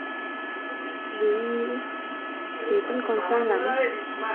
vì anh nghĩ: thế vẫn còn xa lắm.